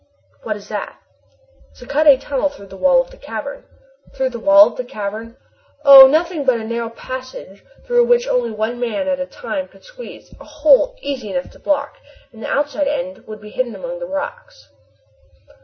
"What is that?" "To cut a tunnel through the wall of the cavern." "Through the wall of the cavern?" "Oh! nothing but a narrow passage through which only one man at a time could squeeze, a hole easy enough to block, and the outside end of which would be hidden among the rocks."